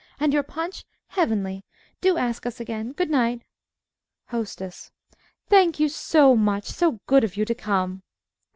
And your punch heavenly! Do ask us again. Good night. HOSTESS Thank you so much! So good of you to come.